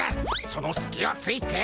そのすきをついて。